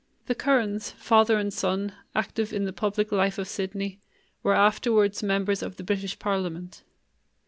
The Currans, father and son, active in the public life of Sydney, were afterwards members of the British parliament.